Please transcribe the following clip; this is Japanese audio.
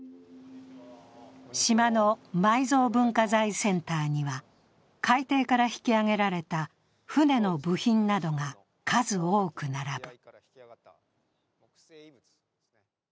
島の埋蔵文化財センターには海底から引き揚げられた船の部品などが数多く並ぶ。